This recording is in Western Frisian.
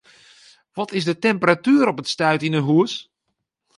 Wat is de temperatuer op it stuit yn 'e hûs?